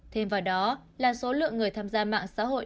thêm vào đó là số lượng người tham gia mạng xã hội